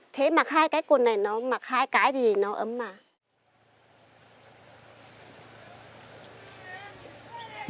thế mặt hai cái quần này nó mặt hai cái thì nó ấm mà